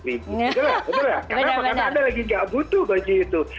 karena anda lagi ga butuh baju itu